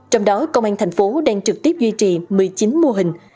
trong đó công an tp hcm đang trực tiếp duy trì một mươi chín mô hình